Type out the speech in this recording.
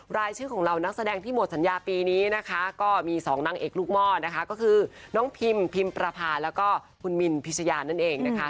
รายชื่อของเหล่านักแสดงที่หมดสัญญาปีนี้นะคะก็มีสองนางเอกลูกหม้อนะคะก็คือน้องพิมพิมประพาแล้วก็คุณมินพิชยานั่นเองนะคะ